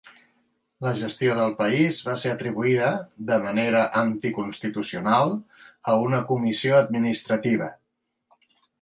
La gestió del país va ser atribuïda, de manera anticonstitucional, a una comissió administrativa.